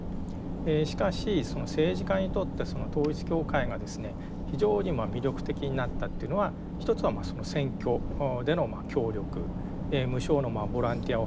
しかし政治家にとって統一教会がですね非常に魅力的になったというのは一つは選挙での協力無償のボランティアを派遣するであるとかですね